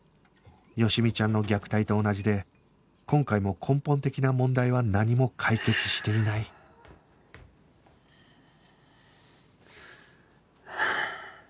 好美ちゃんの虐待と同じで今回も根本的な問題は何も解決していないはあ。